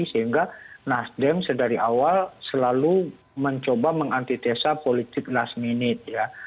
sehingga nasdem sedari awal selalu mencoba mengantitesa politik last minute ya